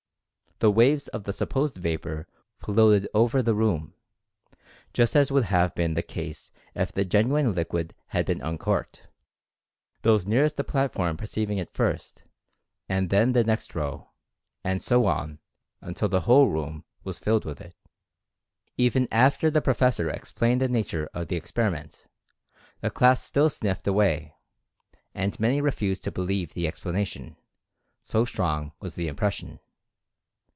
The waves of the sup i Experiments in Induced Sensation 115 posed vapor floated over the room, just as would have been the case if the genuine liquid had been un corked, those nearest the platform perceiving it first, and then the next row, and so on until the whole room was filled with it. Even after the professor explained the nature of the experiment, the class still sniffed away, and many refused to believe the explanation, so strong was the impression.